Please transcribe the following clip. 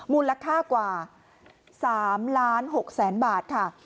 มูลลักษากว่าสามล้านหกแสนบาทค่ะ